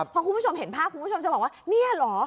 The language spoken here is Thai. พอคุณผู้ชมเห็นภาพคุณผู้ชมจะบอกว่าเนี่ยเหรอ